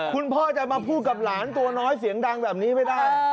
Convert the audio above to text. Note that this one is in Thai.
คุณพ่อจะมาพูดกับหลานตัวน้อยเสียงดังแบบนี้ไม่ได้